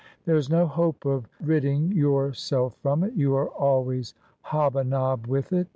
There is no hope of ridding your self from it You are always hob a nob with it.